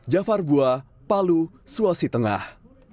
jafar bua palu sulawesi tengah